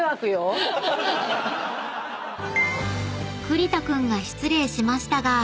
［栗田君が失礼しましたが］